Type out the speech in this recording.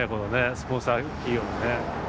スポンサー企業がね。